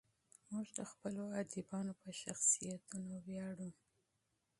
موږ د خپلو ادیبانو په شخصیتونو ویاړو.